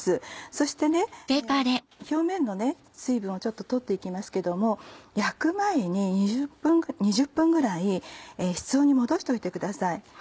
そして表面の水分をちょっと取っていきますけども焼く前に２０分ぐらい室温に戻しといてください。